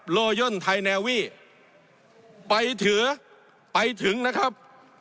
โยย่นไทยแนลวี่ไปถือไปถึงนะครับ